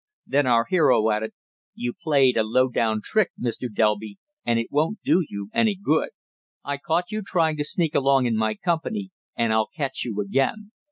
Then our hero added: "You played a low down trick, Mr. Delby, and it won't do you any good. I caught you trying to sneak along in my company and I'll catch you again.